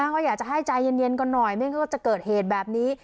ก็อยากจะให้ใจเย็นก่อนหน่อยไม่งั้นก็จะเกิดเหตุแบบนี้